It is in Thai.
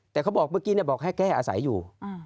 แต่เขาบอกเมื่อกี้บอกให้แก้อาศัยอยู่